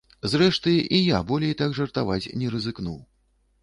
Зрэшты, і я болей так жартаваць не рызыкнуў.